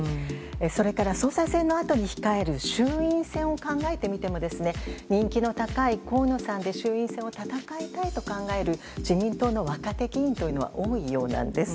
それから総裁選のあとに控える衆院選を考えてみても、人気の高い河野さんで衆院選を戦いたいと考える、自民党の若手議員というのは多いようなんです。